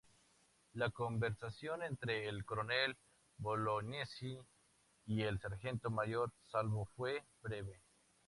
La conversación entre el Coronel Bolognesi y el Sargento Mayor Salvo fue breve.